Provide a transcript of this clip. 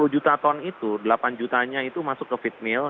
sepuluh juta ton itu delapan jutanya itu masuk ke fit meal